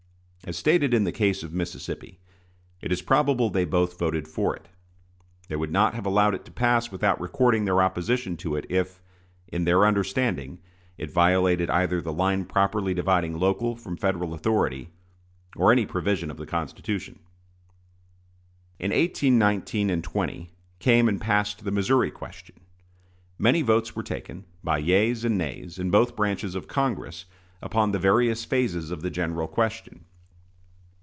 As stated in the case of Mississippi, it is probable they both voted for it. They would not have allowed it to pass without recording their opposition to it if, in their understanding, it violated either the line properly dividing local from Federal authority, or any provision of the Constitution. In 1819 20 came and passed the Missouri question. Many votes were taken, by yeas and nays, in both branches of Congress, upon the various phases of the general question.